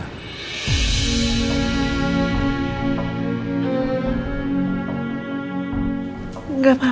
pastikan kalau ta'anya